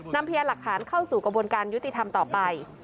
พยายามหลักฐานเข้าสู่กระบวนการยุติธรรมต่อไป